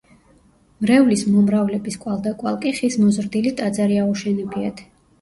მრევლის მომრავლების კვალდაკვალ კი ხის მოზრდილი ტაძარი აუშენებიათ.